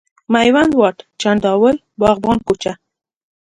میوند واټ، چنداول، باغبان کوچه،